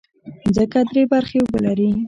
مځکه درې برخې اوبه لري.